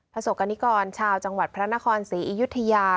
ประสบกรณิกรชาวจังหวัดพระนครศรีอยุธยา